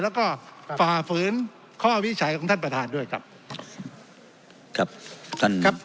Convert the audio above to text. แล้วก็ฝ่าฝืนข้อวิจัยของท่านประธานด้วยครับครับท่านครับ